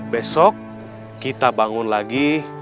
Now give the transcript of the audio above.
besok kita bangun lagi